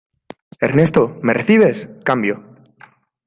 Ernesto, ¿ me recibes? cambio.